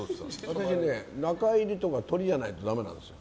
私は中入りとかトリじゃないとダメなんですよ。